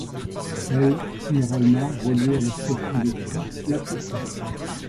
Elle généralement reliée à la station de train la plus proche.